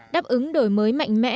đáp ứng đổi mới mạnh mẽ